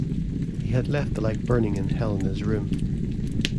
He had left the light burning in Helene's room.